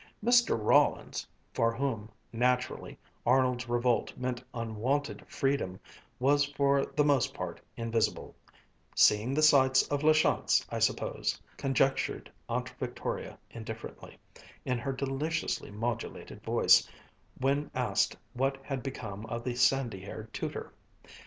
Mr. Rollins, for whom, naturally, Arnold's revolt meant unwonted freedom, was for the most part invisible, "seeing the sights of La Chance, I suppose," conjectured Aunt Victoria indifferently, in her deliciously modulated voice, when asked what had become of the sandy haired tutor.